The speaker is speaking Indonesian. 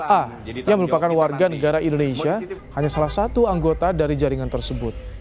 a yang merupakan warga negara indonesia hanya salah satu anggota dari jaringan tersebut